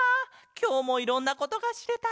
きょうもいろんなことがしれた。